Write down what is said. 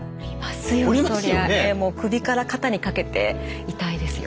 首から肩にかけて痛いですよ。